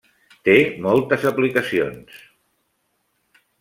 Té moltes aplicacions.